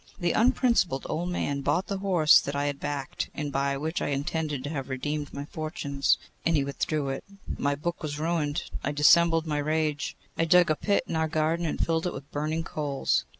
The unprincipled old man bought the horse that I had backed, and by which I intended to have redeemed my fortunes, and withdrew it. My book was ruined. I dissembled my rage. I dug a pit in our garden, and filled it with burning coals.